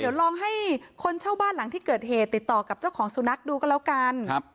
เดี๋ยวลองให้คนเช่าบ้านหลังที่เกิดเหตุติดต่อกับเจ้าของสุนัขดูก็แล้วกัน